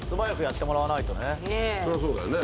そりゃそうだよね。